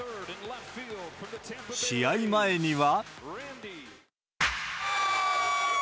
試合前には。